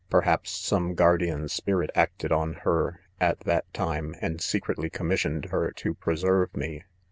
Perhaps some guardian spirit, acted on her heart at that time, and secretly commissioned her to pre serve me.